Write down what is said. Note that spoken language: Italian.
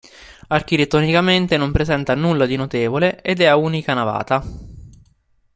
Architettonicamente non presenta nulla di notevole ed è ad unica navata.